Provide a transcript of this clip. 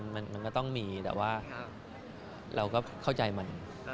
มันก็ต้องมีแต่ว่าเราก็เข้าใจมัน